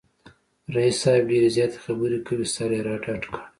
رییس صاحب ډېرې زیاتې خبری کوي، سر یې را ډډ کړ